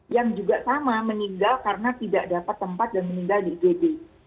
yang juga sama meninggal karena tidak dapat tempat dan meninggal di igd